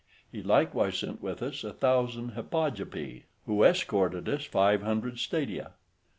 He likewise sent with us a thousand Hippogypi, who escorted us five hundred stadia.